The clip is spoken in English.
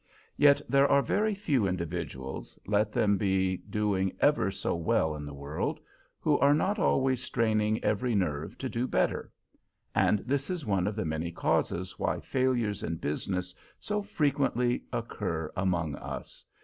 Yet there are very few individuals, let them be doing ever so well in the world, who are not always straining every nerve to do better; and this is one of the many causes why failures in business so frequently occur among us.